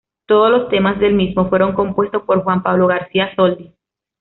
Todos los temas del mismo fueron compuestos por Juan Pablo García Soldi.